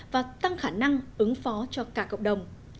và tăng khả năng ứng phó cho cả cộng đồng